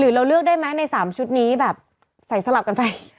เราเลือกได้ไหมใน๓ชุดนี้แบบใส่สลับกันไป